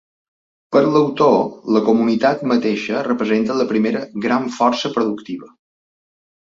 Per a l'autor, la comunitat mateixa representa la primera gran força productiva.